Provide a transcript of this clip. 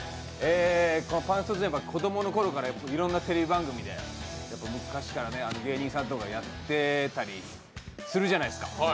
パンスト相撲は子供のころからいろいろなテレビ番組で昔から芸人さんとかがやってたりするじゃないですか。